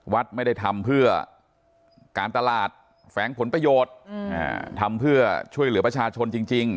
วัดไม่ได้ทำเพื่อการตลาดแฝงผลประโยชน์ทำเพื่อช่วยเหลือประชาชนจริง